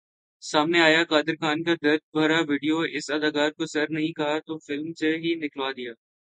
سامنے آیا قادر خان کا درد بھرا ویڈیو ، اس اداکار کو سر نہیں کہا تو فلم سے ہی نکلوادیا